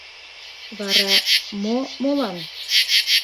Вара... мо молан...